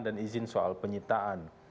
dan izin soal penyitaan